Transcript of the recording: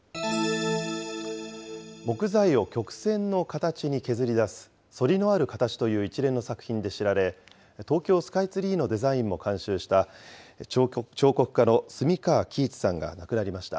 木材を曲線の形に削り出す、そりのあるかたちという一連の作品で知られ、東京スカイツリーのデザインも監修した彫刻家の澄川喜一さんが亡くなりました。